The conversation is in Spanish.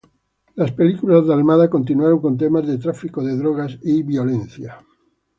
Las películas de Almada continuaron con temas de tráfico de drogas y violencia.